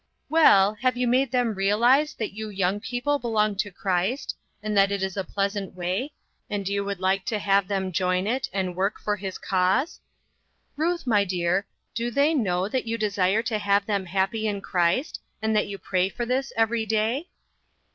"Well, have you made them realize that 1 34 INTERRUPTED. you young people belong to Christ, and that it is a pleasant way, and you would like to have them join it, and work for his cause? Ruth, my dear, do they know that you desire to have them happy in Christ, and that you pray for this every day